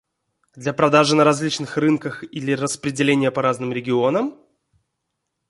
Для продажи на различных рынках или распределения по разным регионам?